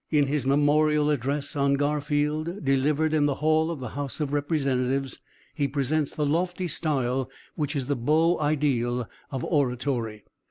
In his Memorial address on Garfield, delivered in the hall of the House of Representatives, he presents the lofty style which is the beau ideal of oratory.